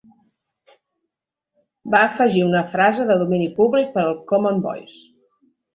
Va afegir una frase de domini públic per al Common Voice.